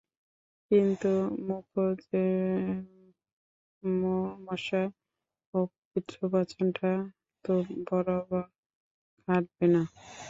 কিন্তু মুখুজ্যেমশায়, ও পবিত্র বচনটা তো বরাবর খাটবে না।